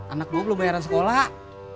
anak gue belum bayaran sekolah